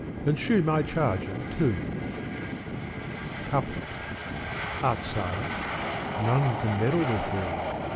and shoe my charger too !" CoupUt Art silent? none can meddle with thee.